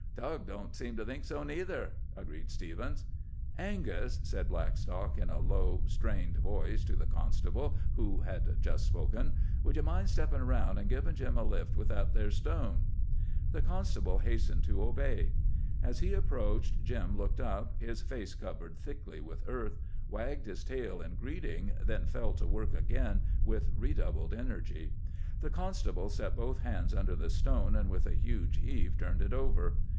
"Tug don't seem to think so, neither," agreed Stephens. "Angus," said Blackstock in a low, strained voice to the constable who had just spoken, "would ye mind stepping round an' givin' Jim a lift with that there stone!" The constable hastened to obey. As he approached, Jim looked up, his face covered thickly with earth, wagged his tail in greeting, then fell to work again with redoubled energy. The constable set both hands under the stone, and with a huge heave turned it over.